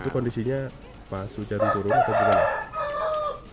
kondisinya pas hujan turun atau tidak